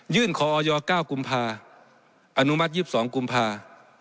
ยื่นขอออยอวันที่๙กุมภาคมอนุมัติ๒๒กุมภาคม